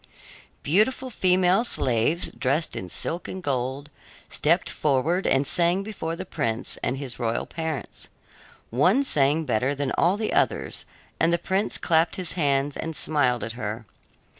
Beautiful female slaves, dressed in silk and gold, stepped forward and sang before the prince and his royal parents. One sang better than all the others, and the prince clapped his hands and smiled at her.